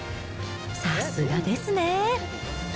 さすがですね。